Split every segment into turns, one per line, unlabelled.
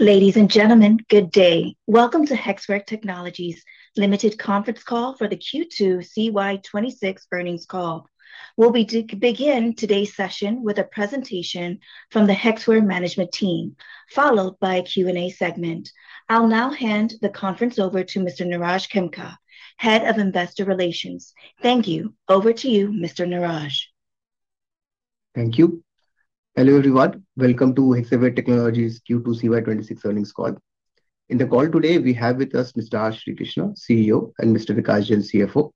Ladies and gentlemen, good day. Welcome to Hexaware Technologies Limited conference call for the Q2 CY 2026 earnings call. We'll begin today's session with a presentation from the Hexaware management team, followed by a Q&A segment. I'll now hand the conference over to Mr. Niraj Khemka, Head of Investor Relations. Thank you. Over to you, Mr. Niraj.
Thank you. Hello, everyone. Welcome to Hexaware Technologies Q2 CY 2026 earnings call. In the call today, we have with us Mr. R. Srikrishna, CEO, and Mr. Vikash Jain, CFO.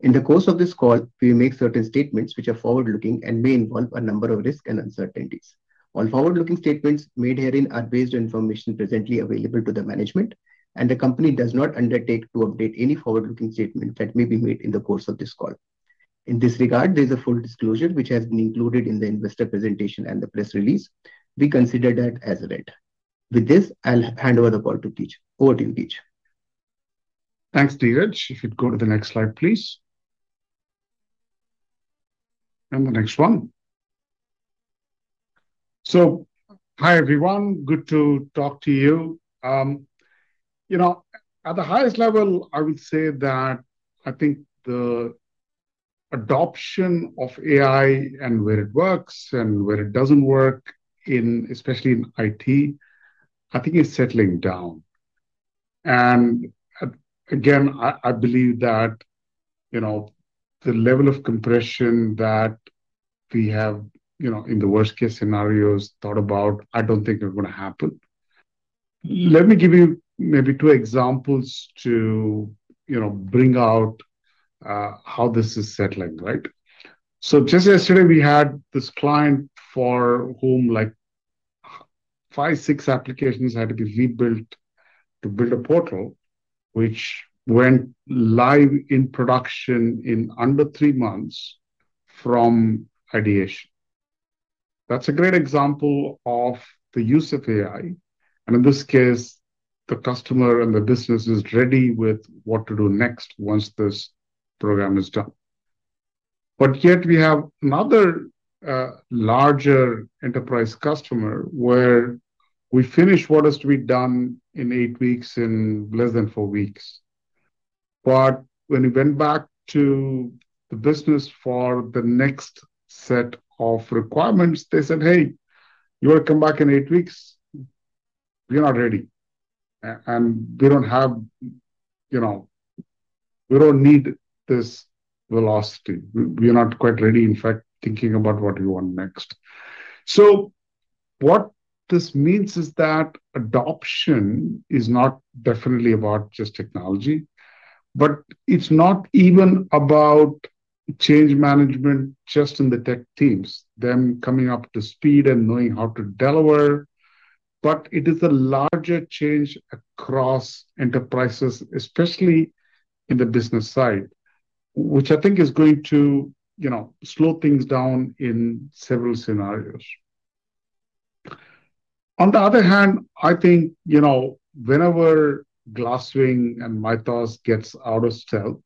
In the course of this call, we make certain statements which are forward-looking and may involve a number of risks and uncertainties. All forward-looking statements made herein are based on information presently available to the management, and the company does not undertake to update any forward-looking statement that may be made in the course of this call. In this regard, there's a full disclosure, which has been included in the investor presentation and the press release. We consider that as read. With this, I'll hand over the call to Keech. Over to you, Keech.
Thanks, Niraj. If you'd go to the next slide, please. The next one. Hi, everyone. Good to talk to you. At the highest level, I would say that I think the adoption of AI and where it works and where it doesn't work, especially in IT, I think is settling down. Again, I believe that the level of compression that we have in the worst-case scenarios thought about, I don't think are going to happen. Let me give you maybe two examples to bring out how this is settling, right? Just yesterday, we had this client for whom five, six applications had to be rebuilt to build a portal which went live in production in under three months from ideation. That's a great example of the use of AI, in this case, the customer and the business is ready with what to do next once this program is done. Yet we have another larger enterprise customer where we finished what has to be done in eight weeks in less than four weeks. When we went back to the business for the next set of requirements, they said, "Hey, you want to come back in eight weeks? We're not ready, and we don't need this velocity. We're not quite ready, in fact, thinking about what we want next." What this means is that adoption is not definitely about just technology, but it's not even about change management just in the tech teams, them coming up to speed and knowing how to deliver, but it is a larger change across enterprises, especially in the business side, which I think is going to slow things down in several scenarios. On the other hand, I think, whenever Glasswing and Mythos gets out of stealth,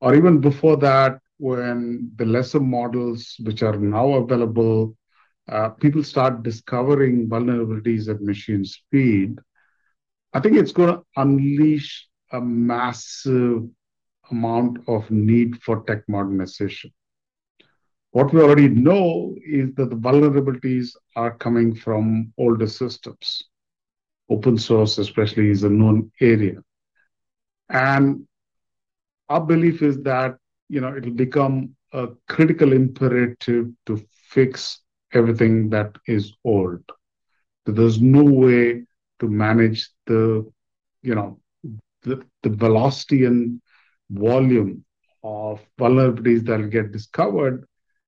or even before that, when the lesser models which are now available, people start discovering vulnerabilities at machine speed, I think it's going to unleash a massive amount of need for tech modernization. What we already know is that the vulnerabilities are coming from older systems. Open source, especially, is a known area. Our belief is that it'll become a critical imperative to fix everything that is old. There's no way to manage the velocity and volume of vulnerabilities that will get discovered,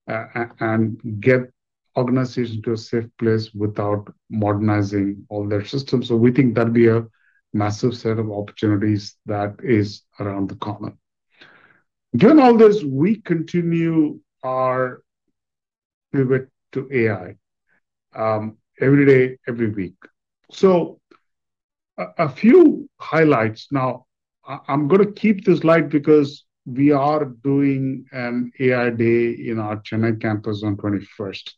and get organizations to a safe place without modernizing all their systems. We think that'll be a massive set of opportunities that is around the corner. During all this, we continue our pivot to AI, every day, every week. A few highlights now. I'm going to keep this light because we are doing an AI day in our Chennai campus on 21st.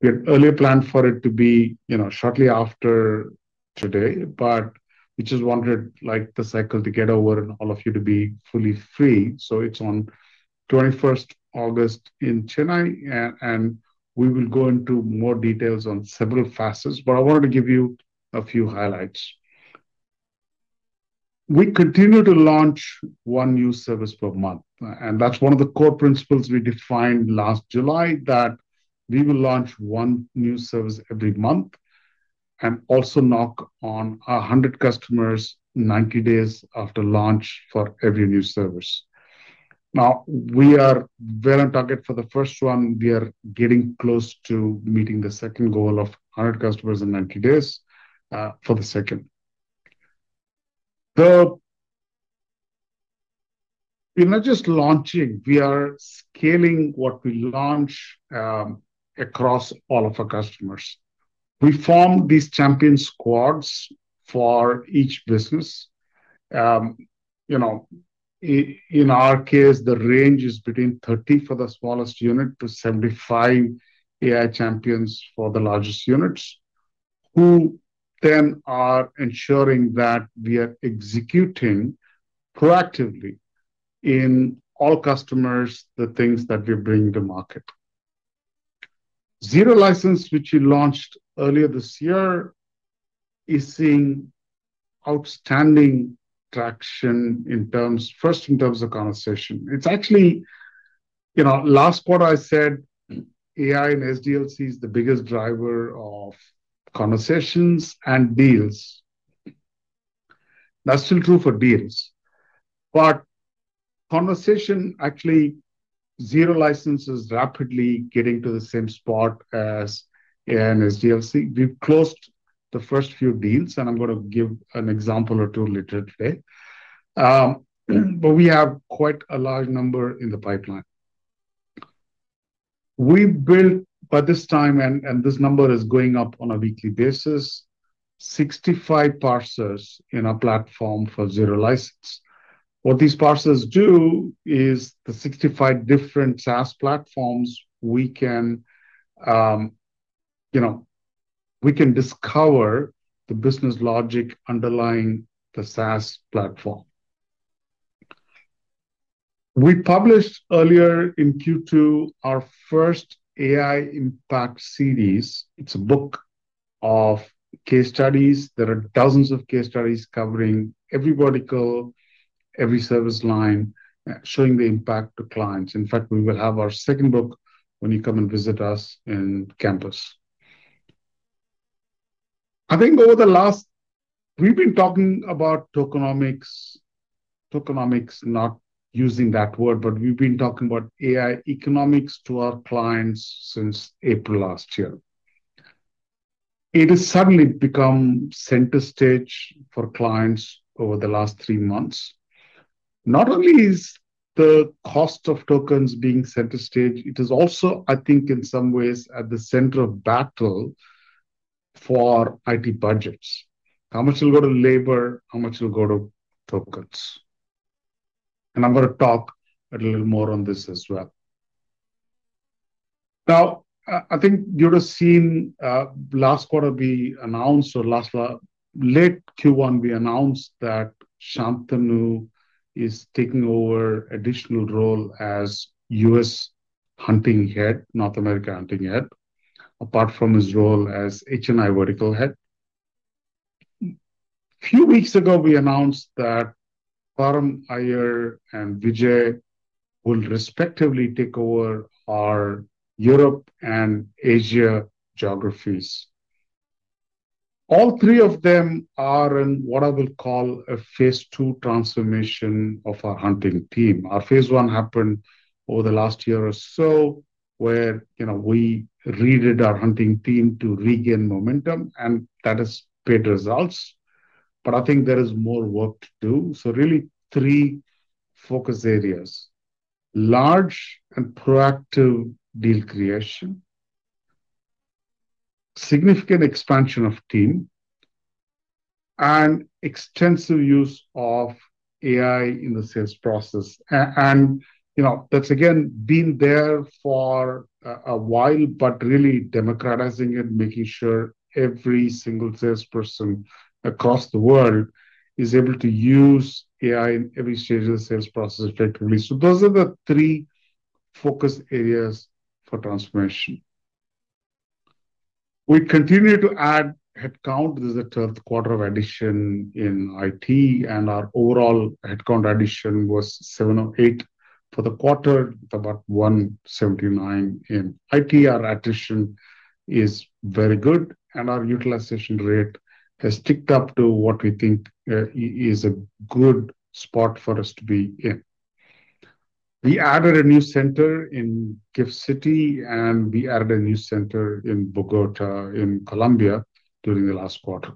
We had earlier planned for it to be shortly after today, but we just wanted the cycle to get over and all of you to be fully free. It's on 21st August in Chennai, and we will go into more details on several facets. I wanted to give you a few highlights. We continue to launch one new service per month, and that's one of the core principles we defined last July, that we will launch one new service every month and also knock on 100 customers 90 days after launch for every new service. Now, we are well on target for the first one. We are getting close to meeting the second goal of 100 customers in 90 days, for the second. We're not just launching, we are scaling what we launch across all of our customers. We form these champion squads for each business- In our case, the range is between 30 for the smallest unit to 75 AI champions for the largest units, who then are ensuring that we are executing proactively in all customers, the things that we're bringing to market. Zero License, which we launched earlier this year, is seeing outstanding traction, first, in terms of conversation. Last quarter I said AI and SDLC is the biggest driver of conversations and deals. That's still true for deals, but conversation, actually, Zero License is rapidly getting to the same spot as AI and SDLC. We've closed the first few deals, and I'm going to give an example or two later today, but we have quite a large number in the pipeline. We've built by this time, and this number is going up on a weekly basis, 65 parsers in our platform for Zero License. What these parsers do is the 65 different SaaS platforms, we can discover the business logic underlying the SaaS platform. We published earlier in Q2 our first AI Impact Series. It's a book of case studies. There are dozens of case studies covering every vertical, every service line, showing the impact to clients. In fact, we will have our second book when you come and visit us in Campus. We've been talking about tokenomics, not using that word, but we've been talking about AI economics to our clients since April last year. It has suddenly become center stage for clients over the last three months. Not only is the cost of tokens being center stage, it is also, I think in some ways, at the center of battle for IT budgets. How much will go to labor, how much will go to tokens? I'm going to talk a little more on this as well. I think you would've seen last quarter we announced, or late Q1, we announced that Shantanu is taking over additional role as U.S. hunting head, North America hunting head, apart from his role as H&I vertical head. Few weeks ago, we announced that Param Iyer and Vijay will respectively take over our Europe and Asia geographies. All three of them are in what I will call a phase II transformation of our hunting team. Our phase I happened over the last year or so, where we redid our hunting team to regain momentum, and that has paid results. I think there is more work to do. Really three focus areas: Large and proactive deal creation, significant expansion of team, and extensive use of AI in the sales process. That's again, been there for a while, but really democratizing it, making sure every single salesperson across the world is able to use AI in every stage of the sales process effectively. Those are the three focus areas for transformation. We continue to add headcount. This is the third quarter of addition in IT, and our overall headcount addition was 708 for the quarter. It's about 179 in IT. Our attrition is very good, and our utilization rate has ticked up to what we think is a good spot for us to be in. We added a new center in GIFT City, and we added a new center in Bogota, in Colombia during the last quarter.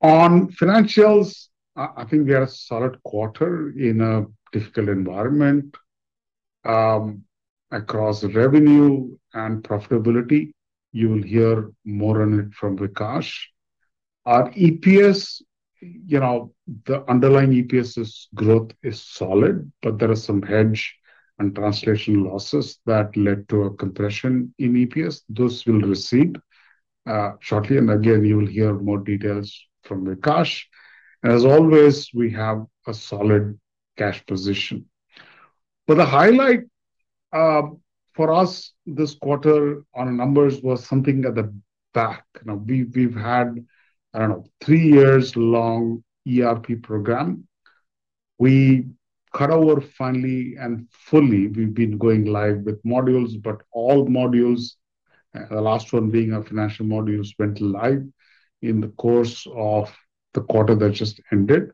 On financials, I think we had a solid quarter in a difficult environment, across revenue and profitability. You will hear more on it from Vikash. Our EPS, the underlying EPS's growth is solid, but there are some hedge and translation losses that led to a compression in EPS. Those will recede shortly. Again, you will hear more details from Vikash. As always, we have a solid cash position. The highlight for us this quarter on numbers was something at the back. We've had, I don't know, three years long ERP program. We cut over finally and fully. We've been going live with modules, all modules, the last one being our financial modules, went live in the course of the quarter that just ended.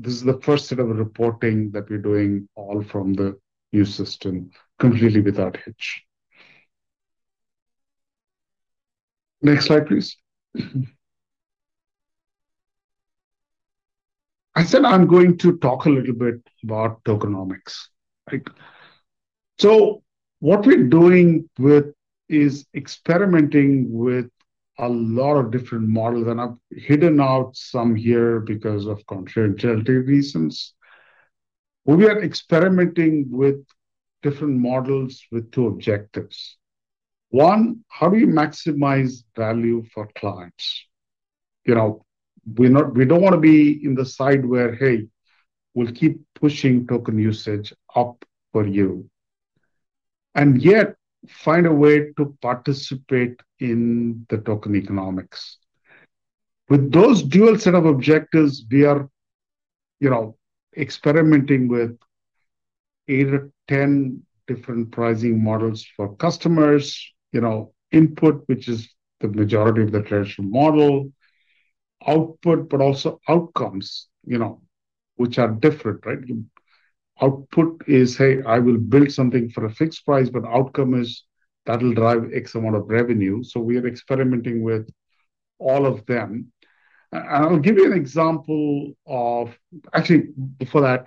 This is the first set of reporting that we're doing all from the new system completely without a hitch. Next slide, please. I said I'm going to talk a little bit about tokenomics. What we're doing is experimenting with a lot of different models, and I've hidden out some here because of confidentiality reasons. We are experimenting with different models with two objectives. One, how do you maximize value for clients? We don't want to be in the side where, hey, we'll keep pushing token usage up for you, and yet find a way to participate in the tokenomics. With those dual set of objectives, we are experimenting with eight or 10 different pricing models for customers, input, which is the majority of the traditional model, output, but also outcomes, which are different. Output is, hey, I will build something for a fixed price, but outcome is that'll drive X amount of revenue. We are experimenting with all of them. Actually, before that,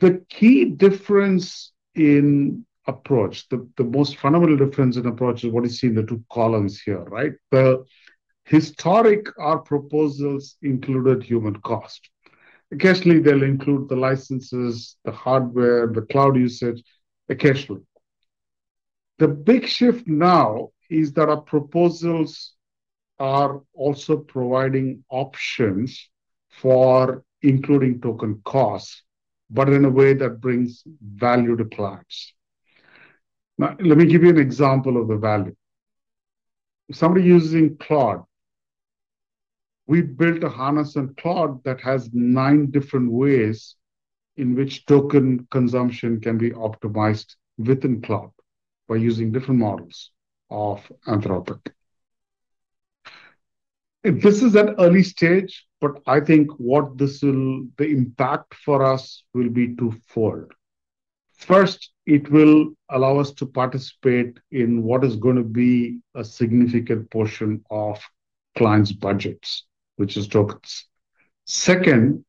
the key difference in approach, the most fundamental difference in approach is what you see in the two columns here. The historic our proposals included human cost. Occasionally, they'll include the licenses, the hardware, the cloud usage, occasionally. The big shift now is that our proposals are also providing options for including token costs, but in a way that brings value to clients. Now, let me give you an example of the value. If somebody's using Claude, we built a harness in Claude that has nine different ways in which token consumption can be optimized within Claude by using different models of Anthropic. This is at early stage, but I think what the impact for us will be twofold. First, it will allow us to participate in what is going to be a significant portion of clients' budgets, which is tokens. Second,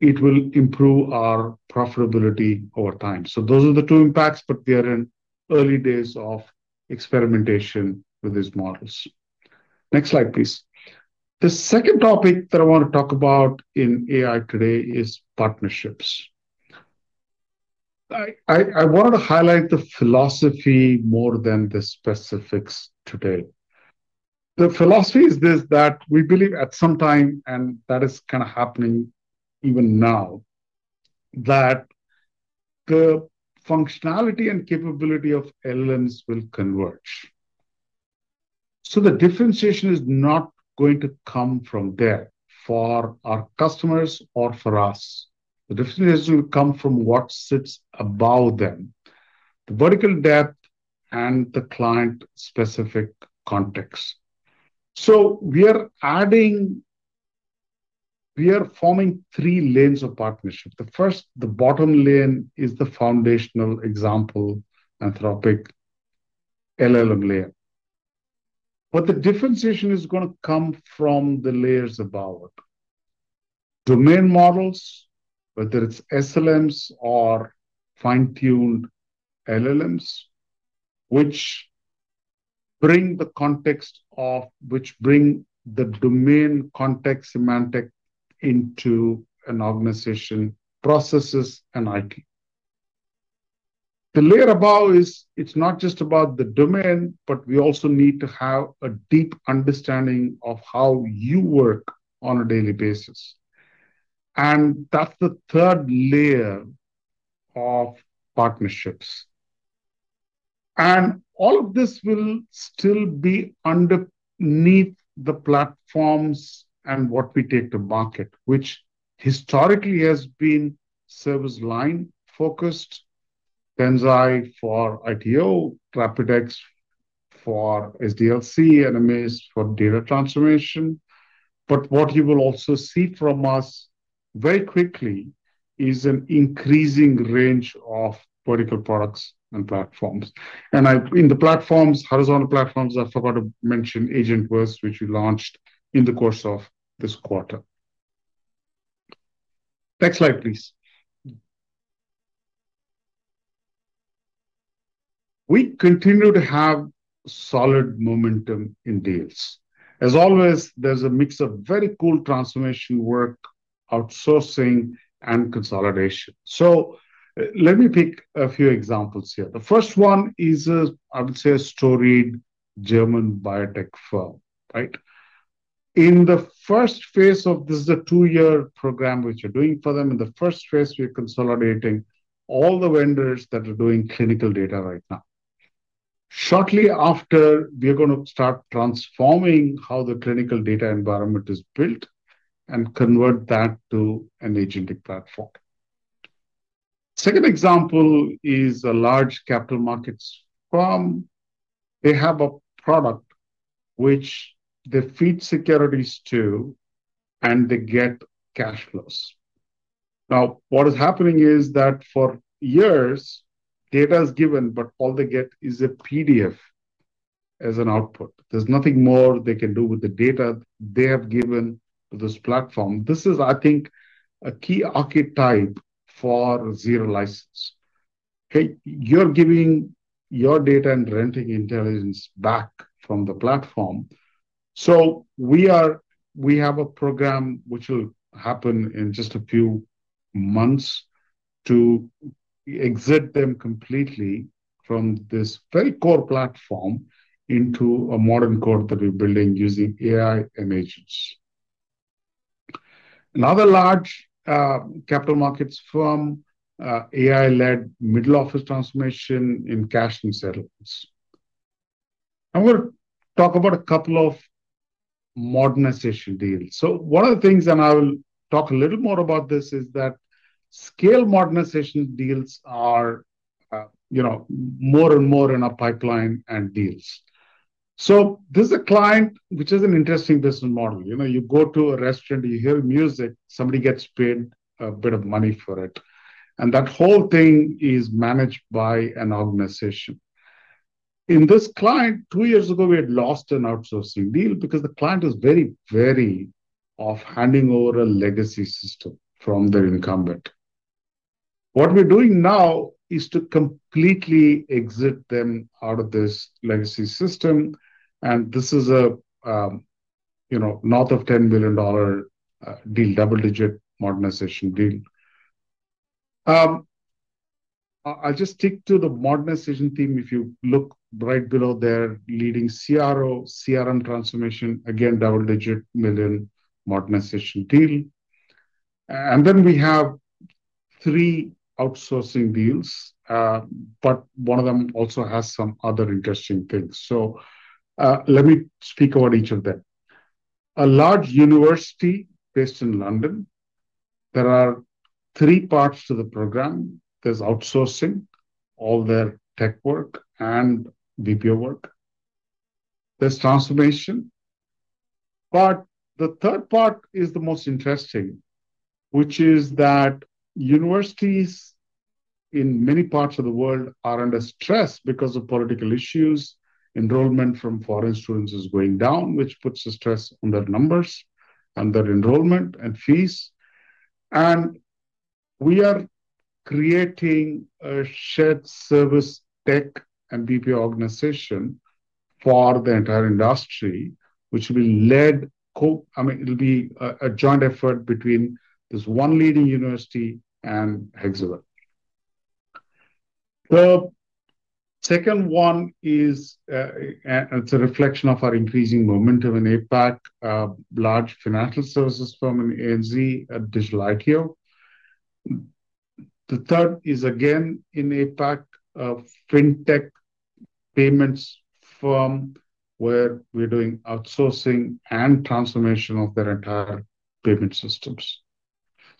it will improve our profitability over time. So those are the two impacts, but they are in early days of experimentation with these models. Next slide, please. The second topic that I want to talk about in AI today is partnerships. I wanted to highlight the philosophy more than the specifics today. The philosophy is this, that we believe at some time, and that is kind of happening even now, that the functionality and capability of LLMs will converge. So the differentiation is not going to come from there for our customers or for us. The differentiation will come from what sits above them, the vertical depth and the client-specific context. So we are forming three lanes of partnership. The first, the bottom lane is the foundational example, Anthropic LLM layer. But the differentiation is going to come from the layers above it. Domain models, whether it's SLMs or fine-tuned LLMs, which bring the domain context semantic into an organization, processes, and IT. The layer above is, it's not just about the domain, but we also need to have a deep understanding of how you work on a daily basis. That's the third layer of partnerships. All of this will still be underneath the platforms and what we take to market, which historically has been service line-focused, Kenzie for ITO, RapidX for SDLC, and AMAs for data transformation. What you will also see from us very quickly is an increasing range of vertical products and platforms. In the platforms, horizontal platforms, I forgot to mention Agentverse, which we launched in the course of this quarter. Next slide, please. We continue to have solid momentum in deals. As always, there's a mix of very cool transformation work, outsourcing, and consolidation. Let me pick a few examples here. The first one is a, I would say, a storied German biotech firm. This is a two-year program which we're doing for them. In the first phase, we're consolidating all the vendors that are doing clinical data right now. Shortly after, we're going to start transforming how the clinical data environment is built and convert that to an agentic platform. Second example is a large capital markets firm. They have a product which they feed securities to, and they get cash flows. What is happening is that for years, data is given, but all they get is a PDF as an output. There's nothing more they can do with the data they have given to this platform. This is, I think, a key archetype for Zero License. You're giving your data and renting intelligence back from the platform. We have a program which will happen in just a few months to exit them completely from this very core platform into a modern core that we're building using AI and agents. Another large capital markets firm, AI-led middle office transformation in cash and settlements. I'm going to talk about a couple of modernization deals. One of the things, and I will talk a little more about this, is that scale modernization deals are more and more in our pipeline and deals. This is a client which is an interesting business model. You go to a restaurant, you hear music, somebody gets paid a bit of money for it, and that whole thing is managed by an organization. In this client, two years ago, we had lost an outsourcing deal because the client is very wary of handing over a legacy system from their incumbent. What we're doing now is to completely exit them out of this legacy system, and this is a north of $10 million deal, double-digit million modernization deal. I'll just stick to the modernization theme. If you look right below there, leading CRO, CRM transformation, again, double-digit million modernization deal. We have three outsourcing deals, but one of them also has some other interesting things. Let me speak about each of them. A large university based in London. There are three parts to the program. There's outsourcing all their tech work and BPO work. There's transformation. The third part is the most interesting, which is that universities in many parts of the world are under stress because of political issues. Enrollment from foreign students is going down, which puts the stress on their numbers and their enrollment and fees. We are creating a shared service tech and BPO organization for the entire industry, which will be a joint effort between this one leading university and Hexaware. The second one is a reflection of our increasing momentum in APAC, large financial services firm in ANZ, a digital IPO. The third is again in APAC, a fintech payments firm where we're doing outsourcing and transformation of their entire payment systems.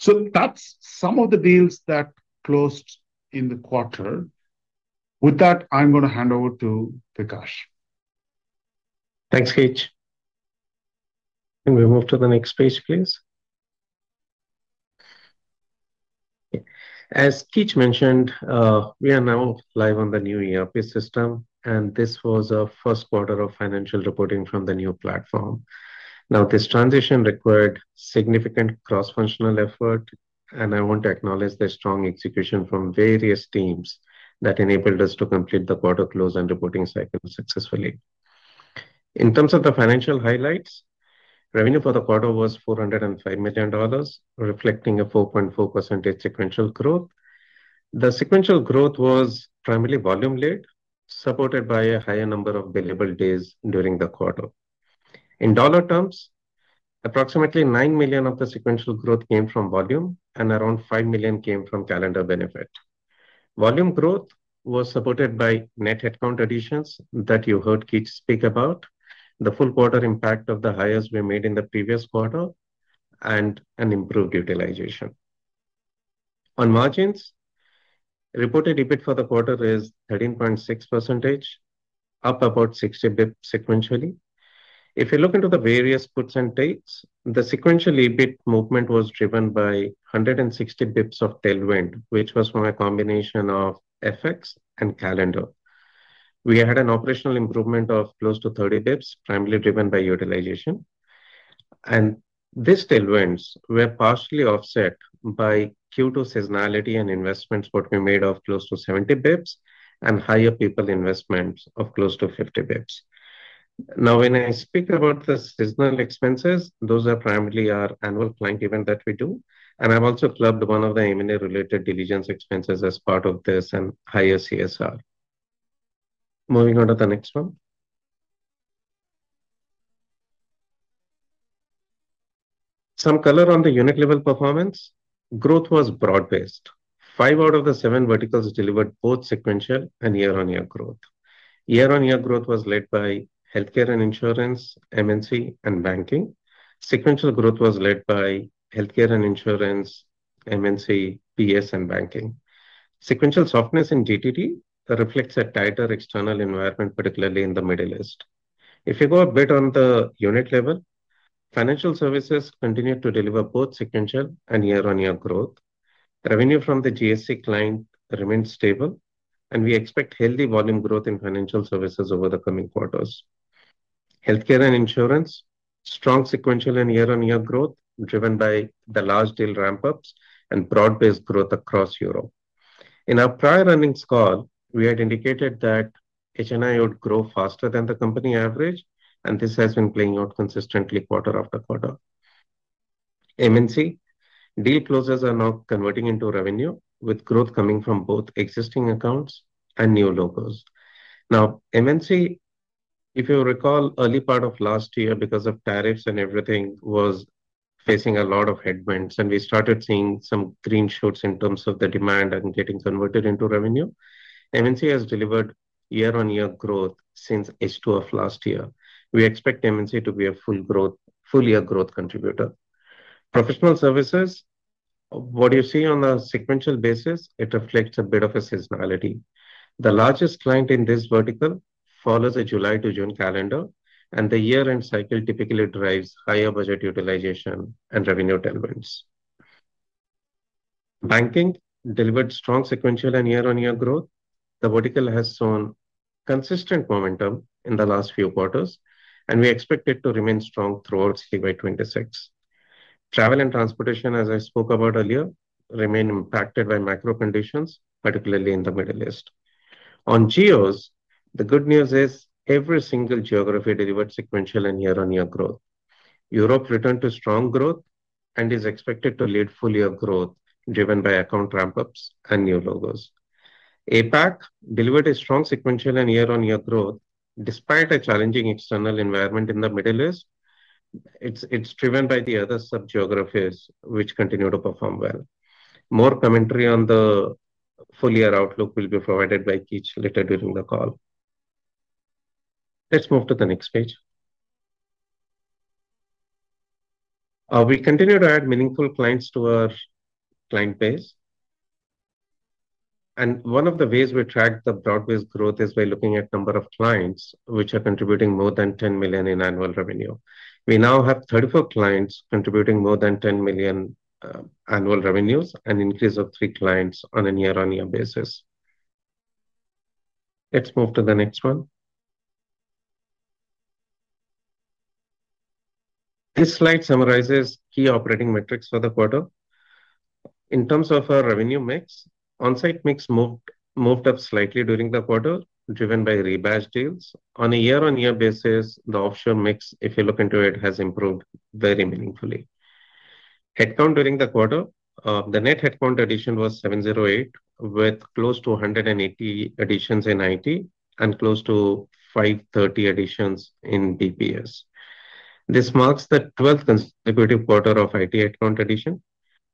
That's some of the deals that closed in the quarter. With that, I'm going to hand over to Vikash.
Thanks, Keech. Can we move to the next page, please? As Keech mentioned, we are now live on the new ERP system, this was our first quarter of financial reporting from the new platform. This transition required significant cross-functional effort, I want to acknowledge the strong execution from various teams that enabled us to complete the quarter close and reporting cycle successfully. In terms of the financial highlights, revenue for the quarter was $405 million, reflecting a 4.4% sequential growth. The sequential growth was primarily volume-led, supported by a higher number of billable days during the quarter. In dollar terms, approximately $9 million of the sequential growth came from volume and around $5 million came from calendar benefit. Volume growth was supported by net headcount additions that you heard Keech speak about. The full quarter impact of the hires we made in the previous quarter and an improved utilization. On margins, reported EBIT for the quarter is 13.6%, up about 60 basis points sequentially. If you look into the various puts and takes, the sequential EBIT movement was driven by 160 basis points of tailwind, which was from a combination of FX and calendar. We had an operational improvement of close to 30 basis points, primarily driven by utilization. These tailwinds were partially offset by Q2 seasonality and investments what we made of close to 70 basis points and higher people investments of close to 50 basis points. When I speak about the seasonal expenses, those are primarily our annual planning event that we do, I've also clubbed one of the M&A-related diligence expenses as part of this and higher CSR. Moving on to the next one. Some color on the unit level performance. Growth was broad-based. Five out of the seven verticals delivered both sequential and year-on-year growth. Year-on-year growth was led by Healthcare & Insurance, M&C, and Banking. Sequential growth was led by Healthcare & Insurance, M&C, PS, and Banking. Sequential softness in GTT reflects a tighter external environment, particularly in the Middle East. If you go a bit on the unit level, Financial Services continued to deliver both sequential and year-on-year growth. Revenue from the GSC client remains stable, and we expect healthy volume growth in Financial Services over the coming quarters. Healthcare & Insurance, strong sequential and year-on-year growth driven by the large deal ramp-ups and broad-based growth across Europe. In our prior earnings call, we had indicated that H&I would grow faster than the company average, and this has been playing out consistently quarter after quarter. M&C. Deal closes are now converting into revenue, with growth coming from both existing accounts and new logos. M&C, if you recall, early part of last year, because of tariffs and everything, was facing a lot of headwinds, and we started seeing some green shoots in terms of the demand and getting converted into revenue. M&C has delivered year-on-year growth since H2 of last year. We expect M&C to be a full year growth contributor. Professional Services. What you see on a sequential basis, it reflects a bit of a seasonality. The largest client in this vertical follows a July to June calendar, and the year-end cycle typically drives higher budget utilization and revenue tailwinds. Banking delivered strong sequential and year-on-year growth. The vertical has shown consistent momentum in the last few quarters, and we expect it to remain strong throughout CY 2026. Travel and transportation, as I spoke about earlier, remain impacted by macro conditions, particularly in the Middle East. On geos, the good news is every single geography delivered sequential and year-on-year growth. Europe returned to strong growth and is expected to lead full year growth, driven by account ramp-ups and new logos. APAC delivered a strong sequential and year-on-year growth despite a challenging external environment in the Middle East. It is driven by the other sub-geographies, which continued to perform well. More commentary on the full-year outlook will be provided by Keech later during the call. Let's move to the next page. We continue to add meaningful clients to our client base. One of the ways we track the broad-based growth is by looking at number of clients which are contributing more than $ 10 million in annual revenue. We now have 34 clients contributing more than $ 10 million annual revenues, an increase of three clients on a year-on-year basis. Let's move to the next one. This slide summarizes key operating metrics for the quarter. In terms of our revenue mix, onsite mix moved up slightly during the quarter, driven by rebadge deals. On a year-on-year basis, the offshore mix, if you look into it, has improved very meaningfully. Headcount during the quarter. The net headcount addition was 708, with close to 180 additions in IT and close to 530 additions in BPS. This marks the 12th consecutive quarter of IT headcount addition.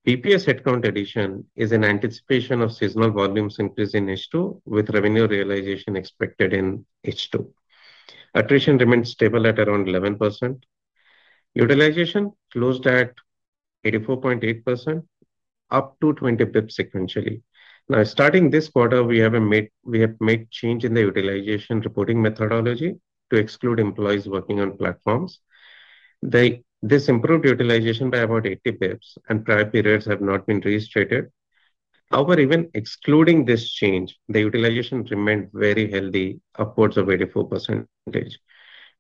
BPS headcount addition is in anticipation of seasonal volumes increase in H2, with revenue realization expected in H2. Attrition remains stable at around 11%. Utilization closed at 84.8%, up 20 basis points sequentially. Starting this quarter, we have made change in the utilization reporting methodology to exclude employees working on platforms. This improved utilization by about 80 basis points, and prior periods have not been restated. However, even excluding this change, the utilization remained very healthy, upwards of 84%.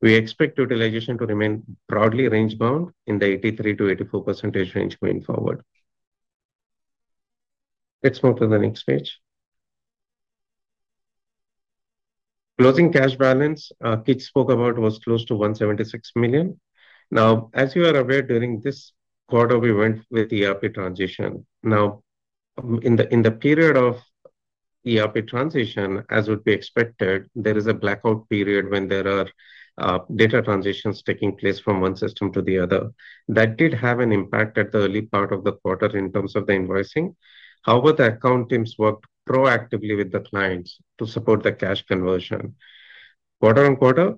We expect utilization to remain broadly range-bound in the 83%-84% range going forward. Let's move to the next page. Closing cash balance. Keech spoke about was close to $ 176 million. As you are aware, during this quarter, we went with ERP transition. In the period of ERP transition, as would be expected, there is a blackout period when there are data transitions taking place from one system to the other. That did have an impact at the early part of the quarter in terms of the invoicing. However, the account teams worked proactively with the clients to support the cash conversion. Quarter-on-quarter,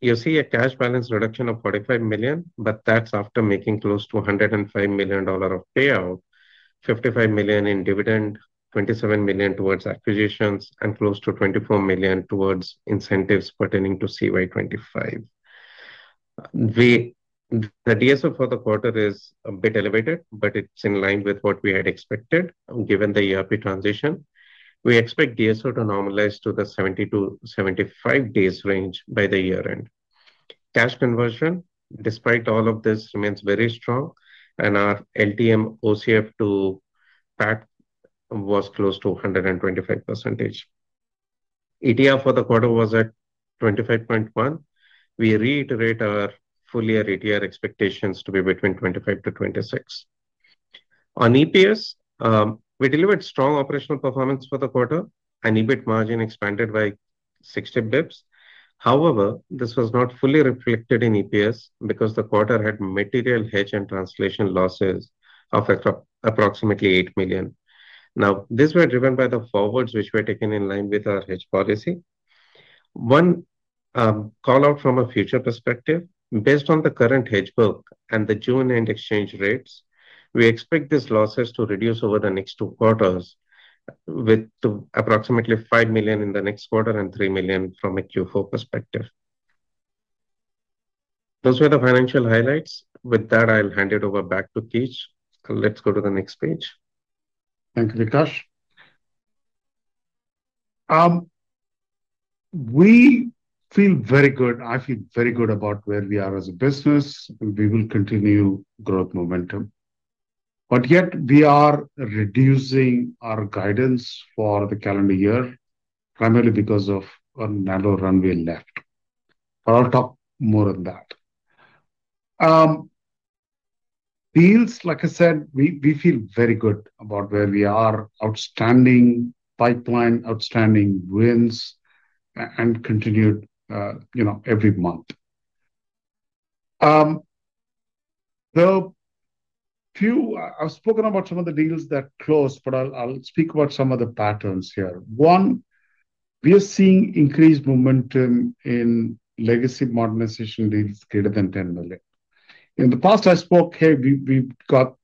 you see a cash balance reduction of $ 45 million, but that's after making close to $ 105 million of payout, $ 55 million in dividend, $ 27 million towards acquisitions, and close to $ 24 million towards incentives pertaining to CY 2025. The DSO for the quarter is a bit elevated, but it's in line with what we had expected given the ERP transition. We expect DSO to normalize to the 70-75 days range by the year end. Cash conversion, despite all of this, remains very strong, and our LTM OCF to PAT was close to 125%. ATR for the quarter was at 25.1. We reiterate our full year ATR expectations to be between 25-26. On EPS, we delivered strong operational performance for the quarter and EBIT margin expanded by 60 basis points. This was not fully reflected in EPS because the quarter had material hedge and translation losses of approximately $8 million. These were driven by the forwards which were taken in line with our hedge policy. One call-out from a future perspective. Based on the current hedge book and the June-end exchange rates, we expect these losses to reduce over the next two quarters with approximately $5 million in the next quarter and $3 million from a Q4 perspective. Those were the financial highlights. With that, I'll hand it over back to Keech. Let's go to the next page.
Thank you, Vikash. We feel very good. I feel very good about where we are as a business, and we will continue growth momentum. Yet we are reducing our guidance for the calendar year primarily because of a narrow runway left. I'll talk more on that. Deals, like I said, we feel very good about where we are. Outstanding pipeline, outstanding wins, and continued every month. I've spoken about some of the deals that closed, but I'll speak about some of the patterns here. We are seeing increased momentum in legacy modernization deals greater than $10 million. In the past, I spoke, hey, we've got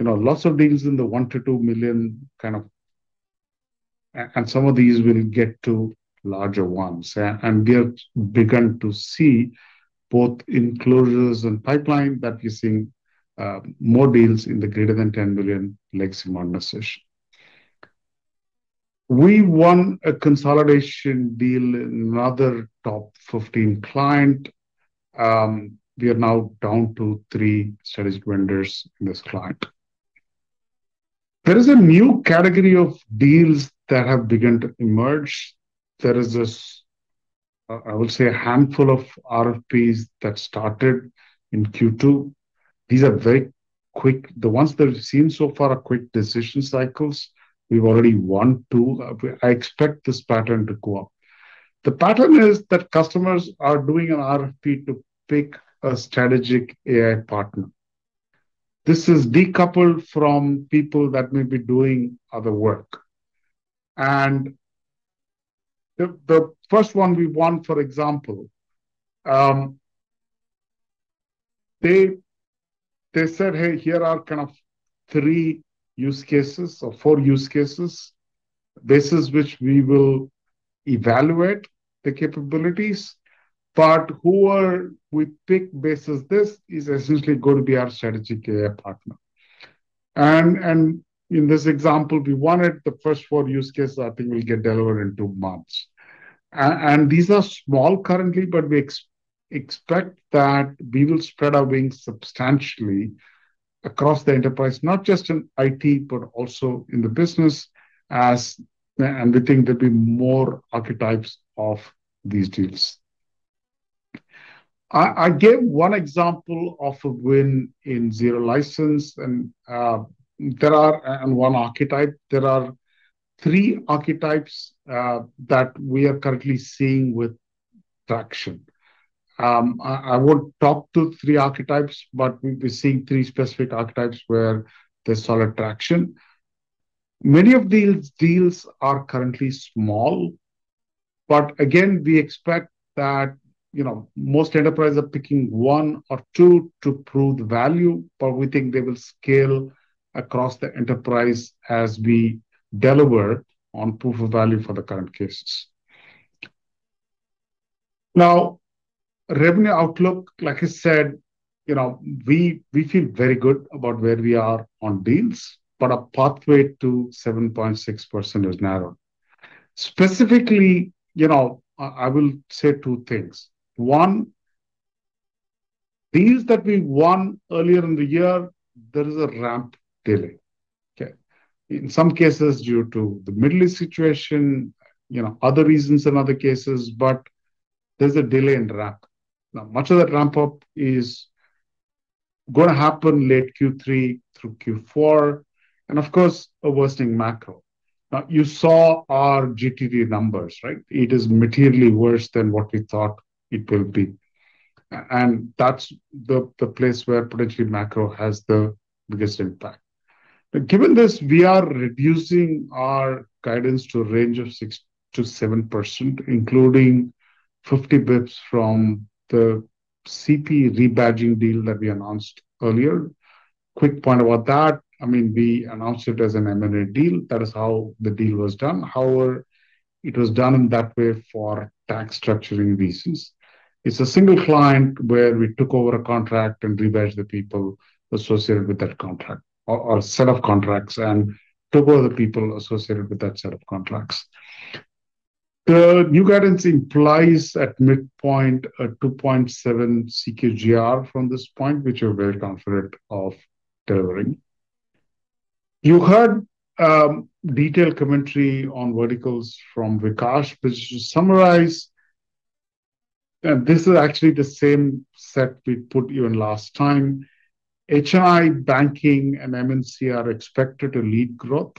lots of deals in the one to $2 million kind of. Some of these will get to larger ones. We have begun to see both in closures and pipeline that we're seeing more deals in the greater than $10 million legacy modernization. We won a consolidation deal, another top 15 client. We are now down to three strategic vendors in this client. There is a new category of deals that have begun to emerge. There is this, I would say, a handful of RFPs that started in Q2. These are very quick. The ones that we've seen so far are quick decision cycles. We've already won two. I expect this pattern to go up. The pattern is that customers are doing an RFP to pick a strategic AI partner. This is decoupled from people that may be doing other work. The first one we won, for example, they said, "Hey, here are kind of three use cases or four use cases, basis which we will evaluate the capabilities, but who we pick basis this is essentially going to be our strategic AI partner." In this example, we won it. The first four use cases I think will get delivered in two months. These are small currently, but we expect that we will spread our wings substantially across the enterprise, not just in IT, but also in the business as. We think there'll be more archetypes of these deals. I gave one example of a win in Zero License and one archetype. There are three archetypes that we are currently seeing with traction. I won't talk to three archetypes, but we're seeing three specific archetypes where there's solid traction. Many of these deals are currently small, again, we expect that most enterprises are picking one or two to prove value, but we think they will scale across the enterprise as we deliver on proof of value for the current cases. Revenue outlook, like I said, we feel very good about where we are on deals, but our pathway to 7.6% is narrow. Specifically, I will say two things. One. Deals that we won earlier in the year, there is a ramp delay. Okay. In some cases, due to the Middle East situation, other reasons in other cases, there's a delay in ramp. Much of that ramp-up is going to happen late Q3 through Q4, of course, a worsening macro. You saw our GTT numbers, right? It is materially worse than what we thought it will be. That's the place where potentially macro has the biggest impact. Given this, we are reducing our guidance to a range of 6%-7%, including 50 basis points from the CP rebadging deal that we announced earlier. Quick point about that. We announced it as an M&A deal. That is how the deal was done. However, it was done in that way for tax structuring reasons. It's a single client where we took over a contract and rebadged the people associated with that contract or set of contracts, and took over the people associated with that set of contracts. The new guidance implies at midpoint a 2.7 CQGR from this point, which we're very confident of delivering. You heard detailed commentary on verticals from Vikash. To summarize, and this is actually the same set we put even last time. H&I, banking, and M&C are expected to lead growth.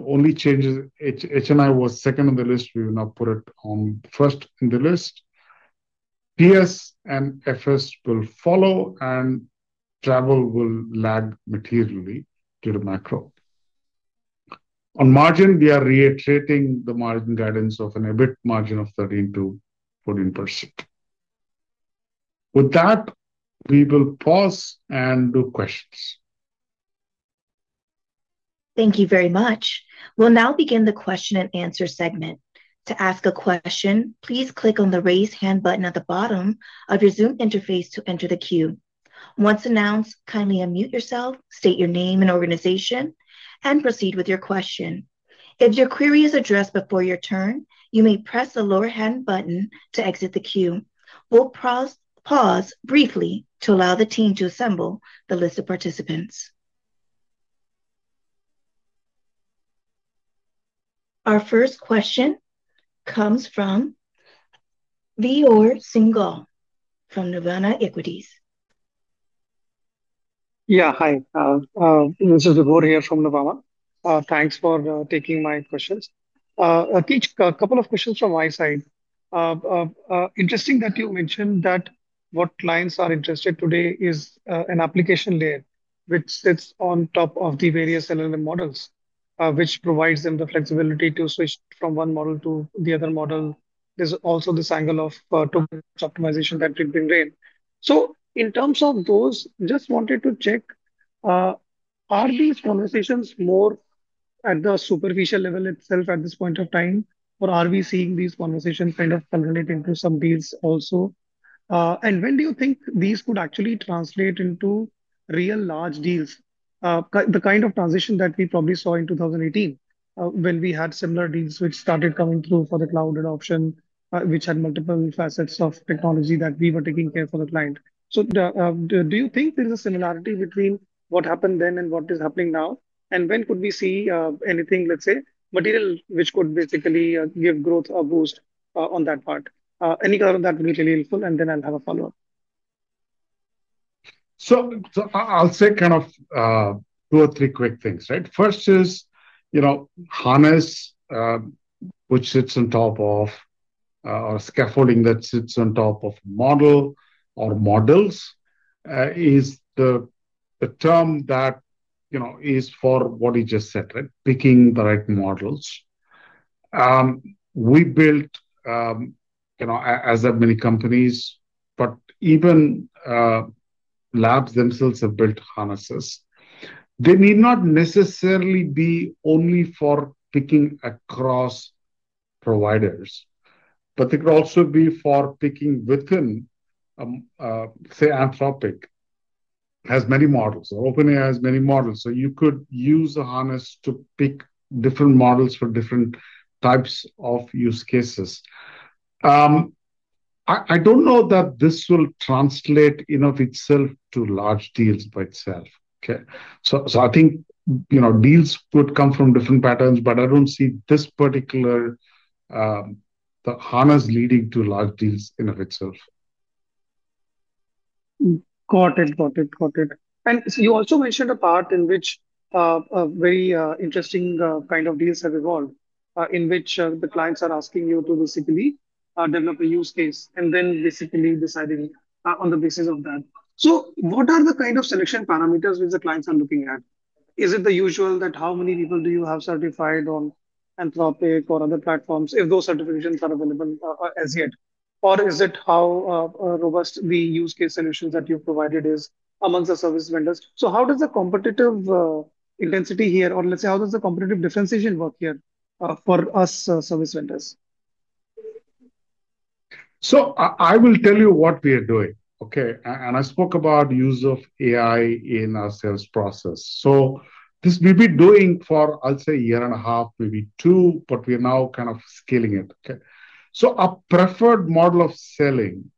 The only change is H&I was second on the list. We will now put it on first in the list. PS and FS will follow, travel will lag materially due to macro. On margin, we are reiterating the margin guidance of an EBIT margin of 13%-14%. With that, we will pause and do questions.
Thank you very much. We'll now begin the question and answer segment. To ask a question, please click on the raise hand button at the bottom of your Zoom interface to enter the queue. Once announced, kindly unmute yourself, state your name and organization, and proceed with your question. If your query is addressed before your turn, you may press the lower hand button to exit the queue. We'll pause briefly to allow the team to assemble the list of participants. Our first question comes from Vibhor Singhal from Nirvana Equities.
Yeah. Hi, this is Vibhor here from Nirvana Equities. Thanks for taking my questions. Keech, a couple of questions from my side. Interesting that you mentioned that what clients are interested today is an application layer which sits on top of the various LLM models, which provides them the flexibility to switch from one model to the other model. There's also this angle of toolbox optimization that you bring in. In terms of those, just wanted to check, are these conversations more at the superficial level itself at this point of time, or are we seeing these conversations kind of culminating to some deals also? When do you think these could actually translate into real large deals? The kind of transition that we probably saw in 2018, when we had similar deals which started coming through for the cloud adoption, which had multiple facets of technology that we were taking care for the client. Do you think there's a similarity between what happened then and what is happening now? When could we see anything, let's say material, which could basically give growth or boost on that part? Any color on that would be really helpful, and then I'll have a follow-up.
I'll say kind of two or three quick things, right? First is, harness, which sits on top of or scaffolding that sits on top of model or models, is the term that is for what you just said, right? Picking the right models. We built as have many companies, but even labs themselves have built harnesses. They need not necessarily be only for picking across providers, but they could also be for picking within, say, Anthropic has many models. OpenAI has many models. You could use a harness to pick different models for different types of use cases. I don't know that this will translate in of itself to large deals by itself. Okay? I think deals could come from different patterns, but I don't see this particular harness leading to large deals in of itself.
Got it. You also mentioned a part in which a very interesting kind of deals have evolved, in which the clients are asking you to basically develop a use case and then basically deciding on the basis of that. What are the kind of selection parameters which the clients are looking at? Is it the usual that how many people do you have certified on Anthropic or other platforms, if those certifications are available as yet? Or is it how robust the use case solutions that you've provided is amongst the service vendors? How does the competitive intensity here, or let's say, how does the competitive differentiation work here, for us service vendors?
I will tell you what we are doing, okay? I spoke about use of AI in our sales process. This we've been doing for, I'll say a year and a half, maybe two, but we are now kind of scaling it, okay. Our preferred model of selling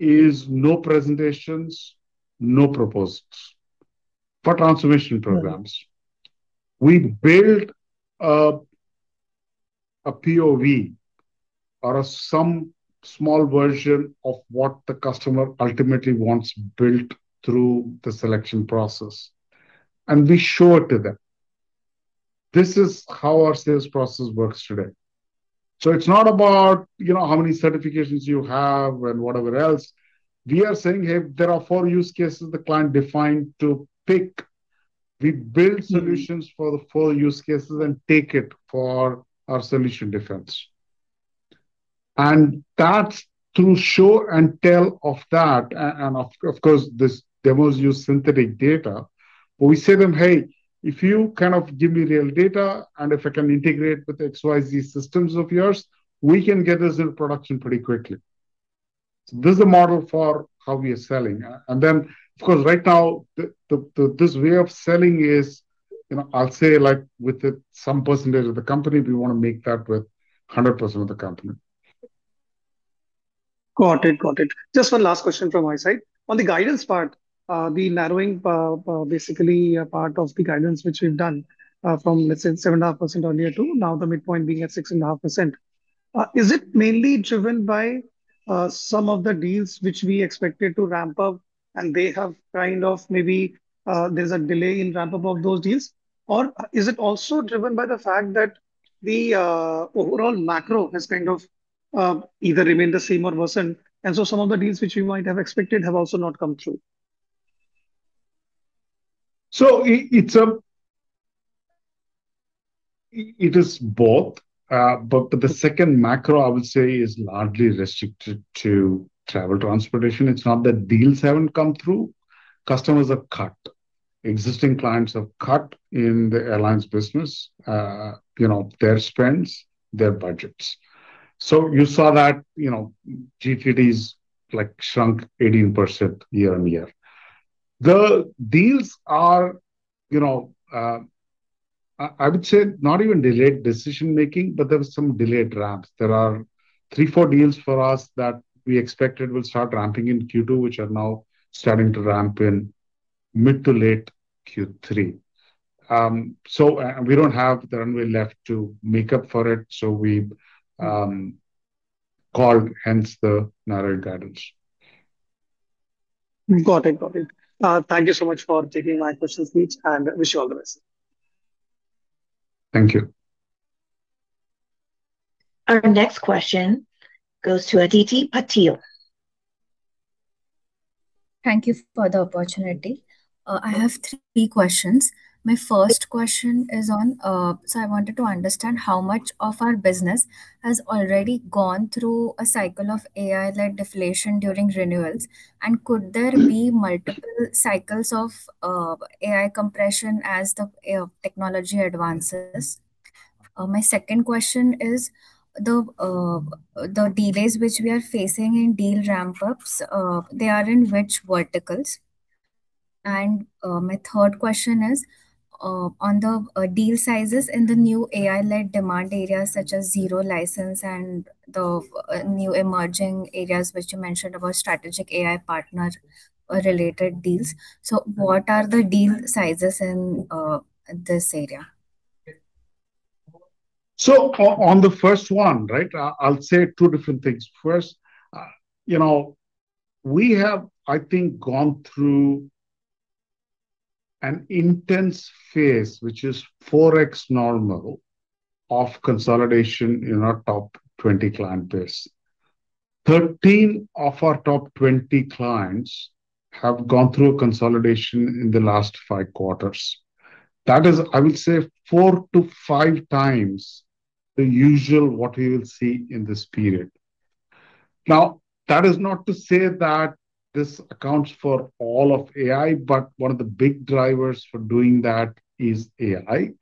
is no presentations, no proposals for transformation programs. We build a POV or some small version of what the customer ultimately wants built through the selection process, and we show it to them. This is how our sales process works today. It's not about how many certifications you have and whatever else. We are saying, "Hey, there are four use cases the client defined to pick." We build solutions for the four use cases and take it for our solution defense. That's through show and tell of that, and of course, these demos use synthetic data. We say to them, "Hey, if you kind of give me real data, and if I can integrate with XYZ systems of yours, we can get this in production pretty quickly." This is a model for how we are selling. Of course, right now, this way of selling is, I'll say like with some percentage of the company, we want to make that with 100% of the company.
Got it. Just one last question from my side. On the guidance part, the narrowing, basically a part of the guidance which we've done, from let's say 7.5% earlier to now the midpoint being at 6.5%. Is it mainly driven by some of the deals which we expected to ramp up and they have kind of maybe there's a delay in ramp-up of those deals? Or is it also driven by the fact that the overall macro has kind of either remained the same or worsened, some of the deals which we might have expected have also not come through?
It is both. The second macro, I would say, is largely restricted to Travel & Transportation. It's not that deals haven't come through. Customers have cut. Existing clients have cut in the airlines business, their spends, their budgets. You saw that GTTs shrunk 18% year-over-year. The deals are, I would say, not even delayed decision-making, but there were some delayed ramps. There are three, four deals for us that we expected will start ramping in Q2, which are now starting to ramp in mid to late Q3. We don't have the runway left to make up for it, we've called, hence the narrowed guidance.
Got it. Thank you so much for taking my questions, Keech, and wish you all the best.
Thank you.
Our next question goes to Aditi Patil.
Thank you for the opportunity. I have three questions. My first question is on, I wanted to understand how much of our business has already gone through a cycle of AI-led deflation during renewals, and could there be multiple cycles of AI compression as the technology advances? My second question is, the delays which we are facing in deal ramp-ups, they are in which verticals? And my third question is on the deal sizes in the new AI-led demand areas, such as Zero License and the new emerging areas which you mentioned about strategic AI partner-related deals. What are the deal sizes in this area?
On the first one, right, I will say two different things. First, we have, I think, gone through an intense phase, which is 4x normal of consolidation in our top 20 client base. 13 of our top 20 clients have gone through a consolidation in the last five quarters. That is, I would say, four to five times the usual what you will see in this period. That is not to say that this accounts for all of AI, but one of the big drivers for doing that is AI.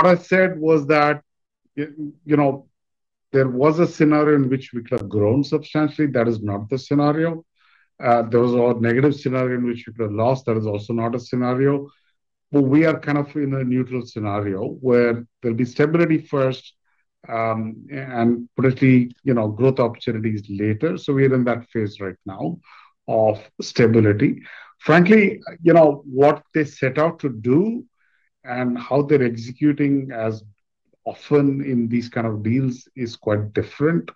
What I said was that there was a scenario in which we could have grown substantially. That is not the scenario. There was a negative scenario in which we could have lost. That is also not a scenario. But we are kind of in a neutral scenario where there'll be stability first, and probably growth opportunities later. We are in that phase right now of stability. Frankly, what they set out to do and how they're executing, as often in these kind of deals, is quite different.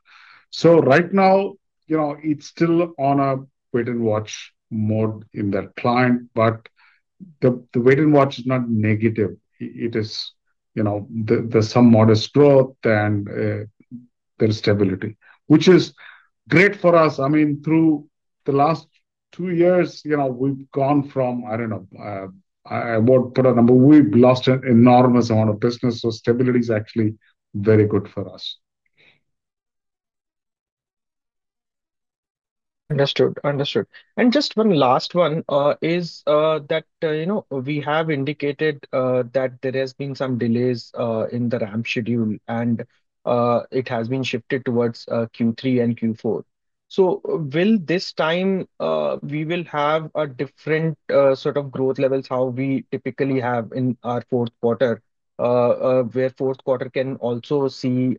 Right now, it's still on a wait-and-watch mode in that client. The wait and watch is not negative. There's some modest growth, and there is stability. Which is great for us. Through the last two years, we've gone from, I do not know, I won't put a number. We've lost an enormous amount of business, so stability is actually very good for us.
Understood. Just one last one is that we have indicated that there has been some delays in the ramp schedule, and it has been shifted towards Q3 and Q4. Will this time we will have a different sort of growth levels how we typically have in our fourth quarter, where fourth quarter can also see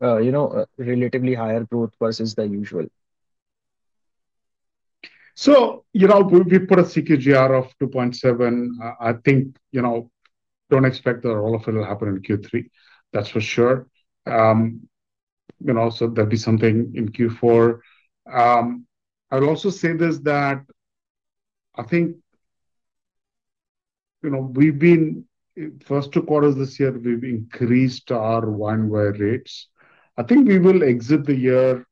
relatively higher growth versus the usual?
We put a CQGR of 2.7. I think don't expect that all of it'll happen in Q3. That's for sure. There'll be something in Q4. I would also say this, that I think we've been First two quarters this year, we've increased our Y-o-Y rates. I think we will exit the year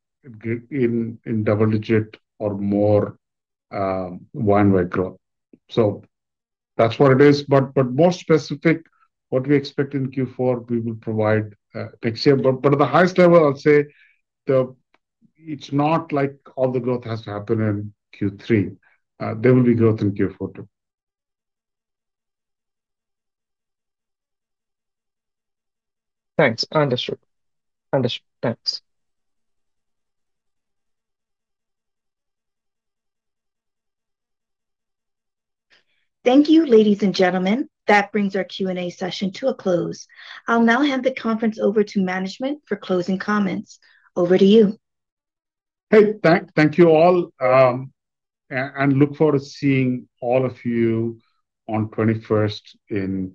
in double-digit or more Y-o-Y growth. That's what it is. More specific, what we expect in Q4, we will provide next year. At the highest level, I'll say it's not like all the growth has to happen in Q3. There will be growth in Q4, too.
Thanks. Understood. Thanks.
Thank you, ladies and gentlemen. That brings our Q&A session to a close. I will now hand the conference over to management for closing comments. Over to you.
Hey, thank you all, and look forward to seeing all of you on 21st.